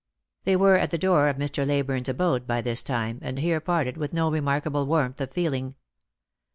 Ihey were at the door of Mr. Leyburne's abode by this time, and here parted with no remarkable warmth of feeling.